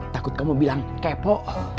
takut kamu bilang kepo